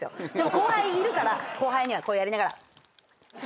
後輩いるから後輩にはこうやりながら。